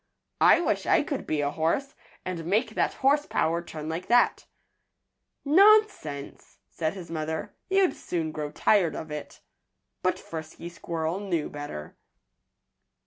"I wish I could be a horse, and make that horse power turn like that." "Nonsense!" said his mother. "You'd soon grow tired of it." But Frisky Squirrel knew better.